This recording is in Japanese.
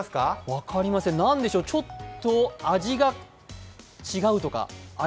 分かりません、ちょっと味が違うとか。